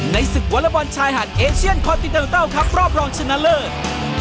ในศึกวัลบอนชายหาดเอเชียนคอนตินตาโนเต้าคับรอบรองชนะเลิศ